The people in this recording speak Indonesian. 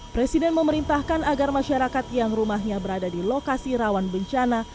presiden memerintahkan agar masyarakat yang rumahnya berada di lokasi rawan bencana